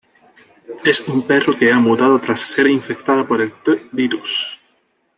Es un perro que ha mutado tras ser infectado por el T-Virus.